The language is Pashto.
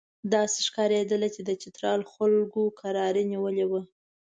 داسې ښکارېدله چې د چترال خلکو کراري نیولې وه.